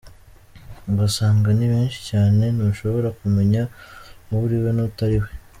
Ugasanga ni benshi cyane ntushobora kumenya uriwe n’utariwe.